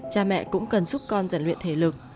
cha mẹ cũng cần giúp con giản luyện thể lực